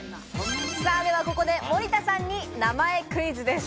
では、ここで森田さんに名前クイズです。